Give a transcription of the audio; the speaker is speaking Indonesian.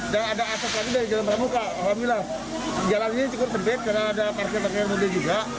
dan ada aset lagi dari jalan terbuka alhamdulillah jalan ini cukup sempit karena ada parkir parkir yang lebih juga